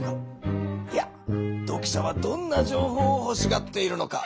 いや読者はどんな情報をほしがっているのか。